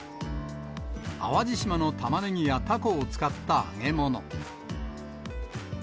淡路島のたまねぎやたこを使った揚げ物。